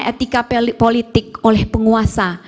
etika politik oleh penguasa